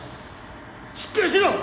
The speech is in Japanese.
しっかりしろ！